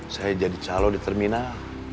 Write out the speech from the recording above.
saya jadi calon di terminal